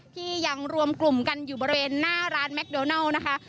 ที่ยังรวมกลุ่มกันอยู่บริเวณหน้าร้านแมคโดนัลนะคะ